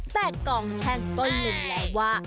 แต่กองแช่งก็หลุมไว้ว่า